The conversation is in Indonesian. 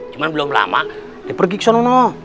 cuman belum lama dia pergi ke sana